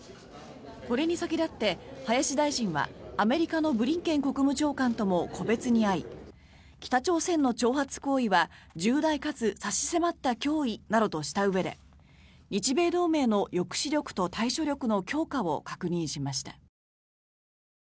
これに先立って林大臣はアメリカのブリンケン国務長官とも個別に会い北朝鮮の挑発行為は重大かつ差し迫った脅威などとしたうえで日米同盟の抑止力と対処力の強化を確認しました。